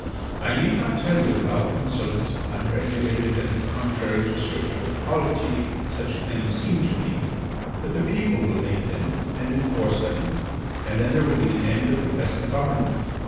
I need not tell you how insolent, unregulated, and contrary to Scriptural polity such claims seem to me. But the people will make them, and enforce them, and then there will be an end of the present government.